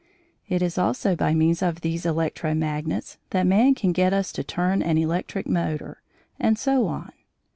It is also by means of these electro magnets that man can get us to turn an electric motor, and so on.